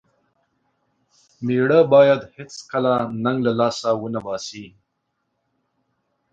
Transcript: مېړه بايد هيڅکله ننګ له لاسه و نه باسي.